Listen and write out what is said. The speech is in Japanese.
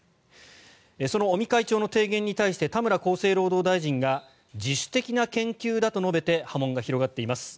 その尾身会長の提言に対して田村厚生労働大臣が自主的な研究だと述べて波紋が広がっています。